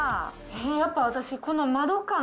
やっぱ私、この窓かな。